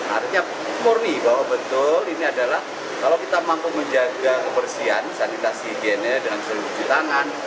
artinya murni bahwa betul ini adalah kalau kita mampu menjaga kebersihan sanitasi higiene dan selalu cuci tangan